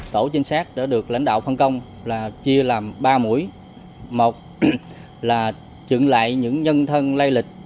tổ chính xác đã được lãnh đạo phân công là chia làm ba mũi một là dựng lại những nhân thân lay lịch